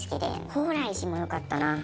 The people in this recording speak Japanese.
鳳来寺もよかったな。